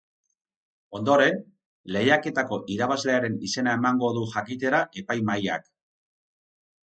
Ondoren, lehiaketako irabazlearen izena emango du jakitera epaimahaiak.